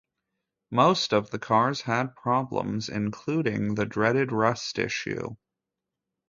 Most of the cars had problems including the dreaded rust issue.